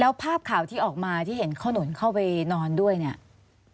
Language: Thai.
แล้วภาพข่าวที่ออกมาที่เห็นขนุนเข้าไปนอนด้วยเนี่ย